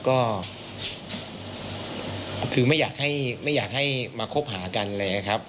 ก็คือไม่อยากให้มาคบหากันเลยนะครับ